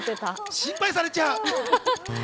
心配されちゃう！